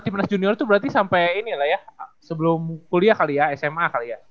timnas junior itu berarti sampai ini lah ya sebelum kuliah kali ya sma kali ya